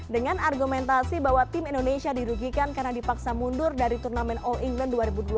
dengan argumentasi bahwa tim indonesia dirugikan karena dipaksa mundur dari turnamen all england dua ribu dua puluh